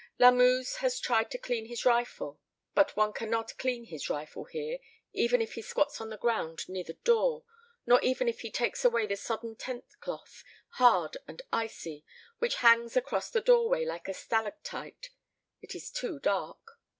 Lamuse has tried to clean his rifle. But one cannot clean his rifle here, even if he squats on the ground near the door, nor even if he takes away the sodden tent cloth, hard and icy, which hangs across the doorway like a stalactite; it is too dark.